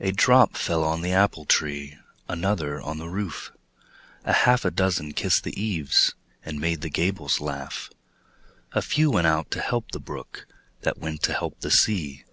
A drop fell on the apple tree, Another on the roof; A half a dozen kissed the eaves, And made the gables laugh. A few went out to help the brook, That went to help the sea.